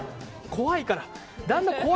怖いから。